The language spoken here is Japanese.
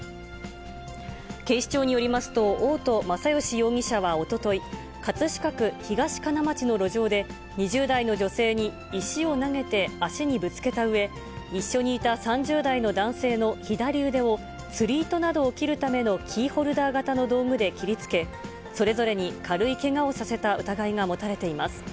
警視庁によりますと、大戸まさよし容疑者はおととい、葛飾区東金町の路上で、２０代の女性に石を投げて足にぶつけたうえ、一緒にいた３０代の男性の左腕を釣り糸などを切るためのキーホルダー型の道具で切りつけ、それぞれに軽いけがをさせた疑いが持たれています。